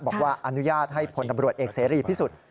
บอกว่าอนุญาตให้พลตำรวจเอกเสรีพิสุทธิ์